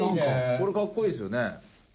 これかっこいいですよね。